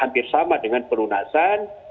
hampir sama dengan perunasan